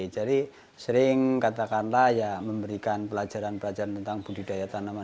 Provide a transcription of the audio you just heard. jadi sering katakanlah ya memberikan pelajaran pelajaran tentang budidaya tanpa kemampuan